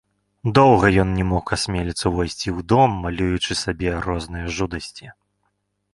Доўга ён не мог асмеліцца ўвайсці ў дом, малюючы сабе розныя жудасці.